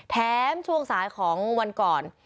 ช่วงสายของวันก่อน